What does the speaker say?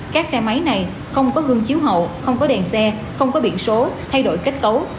các xe máy này không có gương chiếu hậu không có đèn xe không có biển số thay đổi kết cấu